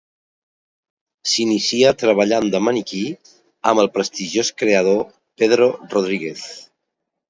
S'inicia treballant de maniquí amb el prestigiós creador Pedro Rodríguez.